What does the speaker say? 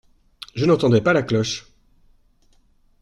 Je n’entendais pas la cloche.